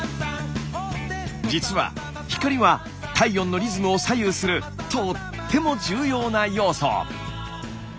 実は光は体温のリズムを左右するとっても重要な要素。